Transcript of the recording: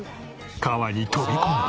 川に飛び込む！